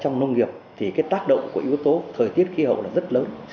trong nông nghiệp thì cái tác động của yếu tố thời tiết khí hậu là rất lớn